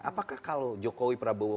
apakah kalau jokowi prabowo